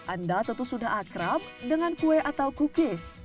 anda tentu sudah akrab dengan kue atau cookies